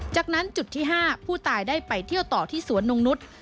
จากนั้นจุดที่๕ผู้ตายได้ไปเที่ยวต่อที่สวนนงนุษย์